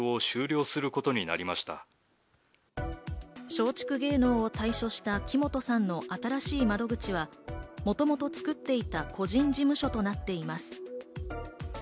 松竹芸能を退所した木本さんの新しい窓口はもともと作っていた個人事務所となっています。